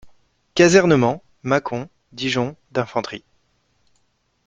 Casernement: Mâcon, Dijon, d'infanterie.